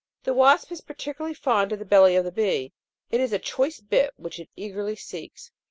The wasp is particularly fond of the belly of the bee ; it is a choice bit which it eagerly seeks.